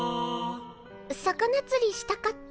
魚つりしたかった。